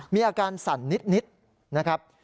มีอาการสั่นนิดนะครับ